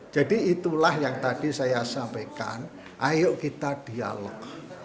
jadi itulah yang tadi saya sampaikan ayo kita dialog